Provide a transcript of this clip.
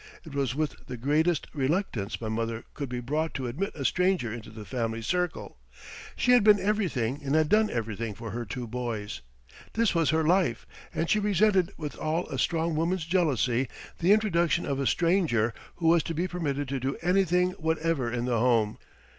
It was with the greatest reluctance my mother could be brought to admit a stranger into the family circle. She had been everything and had done everything for her two boys. This was her life, and she resented with all a strong woman's jealousy the introduction of a stranger who was to be permitted to do anything whatever in the home.